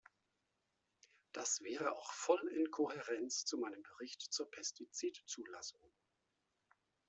Das wäre auch voll in Kohärenz zu meinem Bericht zur Pestizidzulassung.